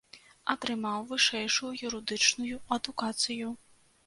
Атрымаў вышэйшую юрыдычную адукацыю.